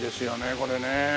これね。